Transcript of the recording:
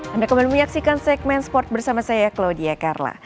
anda kembali menyaksikan segmen sport bersama saya claudia karla